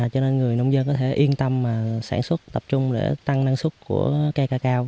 cho nên người nông dân có thể yên tâm sản xuất tập trung để tăng năng suất của cây cacao